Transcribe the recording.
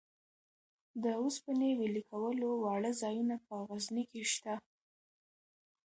د اوسپنې ویلې کولو واړه ځایونه په غزني کې شته.